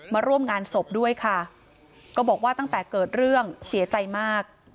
มาร่วมงานศพด้วยค่ะก็บอกว่าตั้งแต่เกิดเรื่องเสียใจมาก